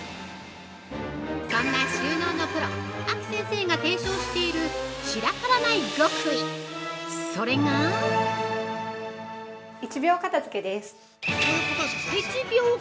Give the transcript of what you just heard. そんな収納のプロ、ａｋｉ先生が提唱している、散らからない極意それが◆１秒片づけ！？